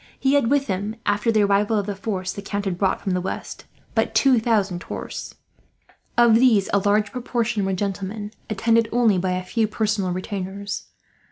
He had with him, after the arrival of the force the Count had brought from the west, but two thousand horse. Of these a large proportion were gentlemen, attended only by a few personal retainers.